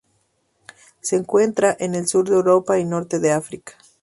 Se encuentra en el Sur de Europa y Norte de África.